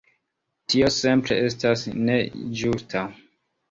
Tio simple estas ne ĝusta.